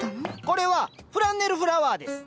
これはフランネルフラワーです。